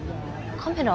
カメラ？